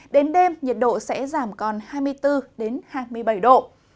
đến đêm nhiệt độ sẽ giảm còn hai mươi bốn hai mươi bảy độ